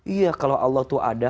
iya kalau allah tuh ada